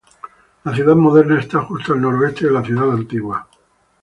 La ciudad moderna está justo al noroeste de la ciudad antigua.